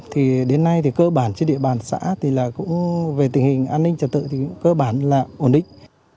thì đến nay thì cơ bản trên địa bàn xã thì là cũng về tình hình an ninh trật tự thì cũng cơ bản là ổn định